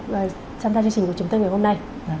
và chăm ta chương trình của chúng ta ngày hôm nay